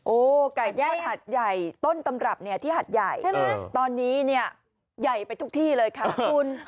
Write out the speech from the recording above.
ไก่ทอดหัดใหญ่ต้นตำรับเนี่ยที่หัดใหญ่ใช่ไหมตอนนี้เนี่ยใหญ่ไปทุกที่เลยค่ะคุณ